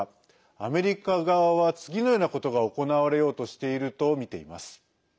アメリカ側は次のようなことが行われようとしているとみています。